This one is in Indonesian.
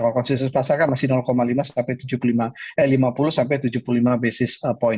kalau konsensus pasar kan masih lima sampai lima puluh sampai tujuh puluh lima basis point